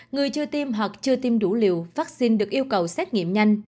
người chưa tiêm hoặc chưa tiêm đủ liều vaccine được yêu cầu xét nghiệm nhanh